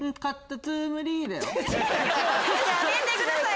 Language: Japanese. やめてください！